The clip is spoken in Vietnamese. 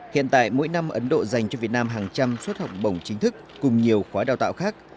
hiện tại mỗi năm ấn độ dành cho việt nam hàng trăm suất học bổng chính thức cùng nhiều khóa đào tạo khác